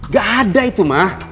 gak ada itu ma